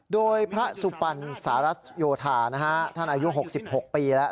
โดยพระสุปรรณสารัสโยทานะฮะท่านอายุหกสิบหกปีแล้ว